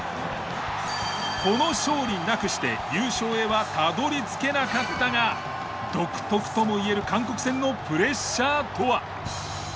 この勝利なくして優勝へはたどり着けなかったが独特ともいえる韓国戦のプレッシャーとは？